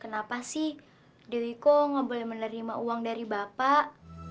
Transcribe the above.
kenapa sih dewi ko gak boleh menerima uang dari bapak